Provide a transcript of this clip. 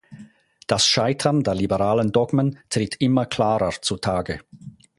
Das Scheitern der liberalen Dogmen tritt immer klarer zutage.